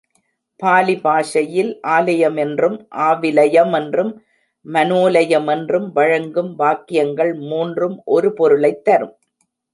Poly பாஷையில் ஆலயமென்றும், ஆவிலயமென்றும் மனோலயமென்றும் வழங்கும் வாக்கியங்கள் மூன்றும் ஒரு பொருளைத் தரும்.